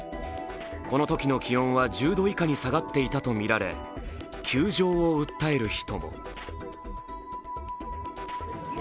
このときの気温は１０度以下に下がっていたとみられ窮状を訴える人も。